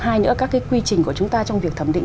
hai nữa các cái quy trình của chúng ta trong việc thẩm định